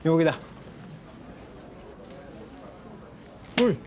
おい！